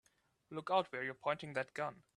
Look out where you're pointing that gun!